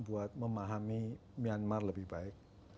buat memahami myanmar lebih baik